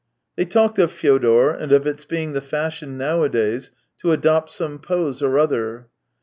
They talked of Fyodor, and of its being the fashion nowadays to adopt some pose or other.